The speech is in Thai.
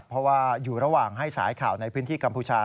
เพราะว่าอยู่ระหว่างให้สายข่าวในพื้นที่กัมพูชา